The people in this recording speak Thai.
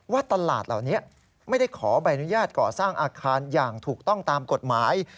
ว่าตลาดเหล่านี้ไม่ได้ขอใบอนุญาตก่อสร้างอาคารอย่างถูกต้องตามกฎหมาย